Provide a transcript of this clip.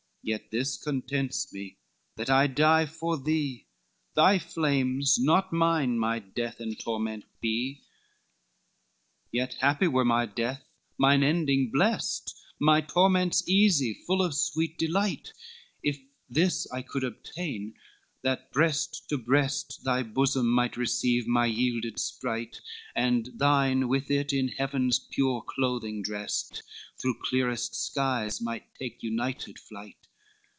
Yet this contents me that I die for thee, Thy flames, not mine, my death and torment be. XXXV "Yet happy were my death, mine ending blest, My torments easy, full of sweet delight, It this I could obtain, that breast to breast Thy bosom might receive my yielded sprite; And thine with it in heaven's pure clothing drest, Through clearest skies might take united flight."